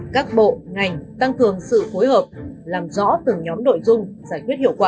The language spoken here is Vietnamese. các bộ ngành tăng cường sự phối hợp làm rõ từng nhóm nội dung giải quyết hiệu quả